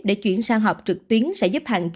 để chuyển sang họp trực tuyến sẽ giúp hạn chế